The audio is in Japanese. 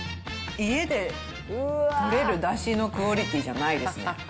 家でとれるだしのクオリティーじゃないですね。